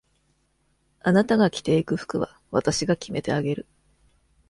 あなたが着ていく服は、私が決めてあげる。